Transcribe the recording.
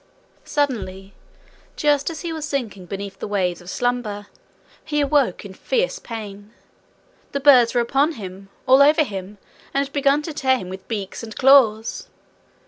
Suddenly, just as he was sinking beneath the waves of slumber, he awoke in fierce pain. The birds were upon him all over him and had begun to tear him with beaks and claws.